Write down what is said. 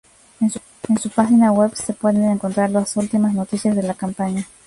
En su página web se pueden encontrar las últimas noticias de la campaña.